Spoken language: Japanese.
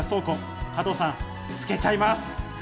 加藤さん、付けちゃいます。